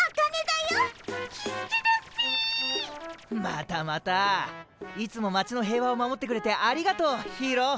またまたいつも町の平和を守ってくれてありがとうヒーロー。